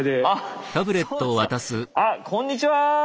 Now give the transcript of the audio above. あっこんにちは！